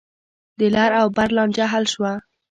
د لر او بر لانجه حل شوه.